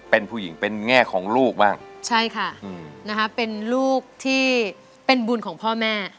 เป็นผู้หญิงเป็นแง่ของลูกบ้างใช่ค่ะนะคะเป็นลูกที่เป็นบุญของพ่อแม่